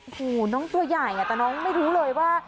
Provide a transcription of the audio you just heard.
โอ้โหน้องตัวใหญ่แต่น้องไม่รู้เลยว่า